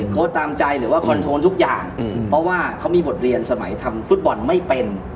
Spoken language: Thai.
เขาตามใจหรือว่าคอนโทรทุกอย่างเพราะว่าเขามีบทเรียนสมัยทำฟุตบอลไม่เป็น